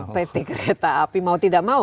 pt kereta api mau tidak mau